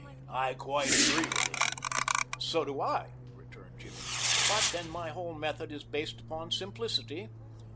I quite agree with him." "So do I," returned Jimmy, "but, then, my whole method is based upon simplicity."